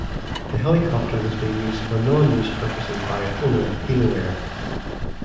The helicopter was being used for non-news purposes by owner Heloair.